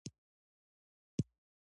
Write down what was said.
د خپلو تېروتنو څخه عبرت واخلئ.